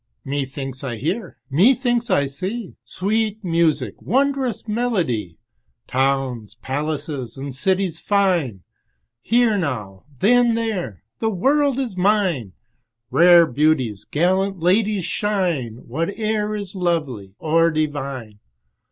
Methinks I hear, methinks I see, Sweet music, wondrous melody, Towns, palaces, and cities fine; Here now, then there; the world is mine, Rare beauties, gallant ladies shine, Whate'er is lovely or divine.